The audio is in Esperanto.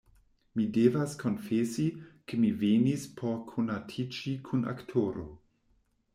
Mi devas konfesi, ke mi venis por konatiĝi kun aktoro.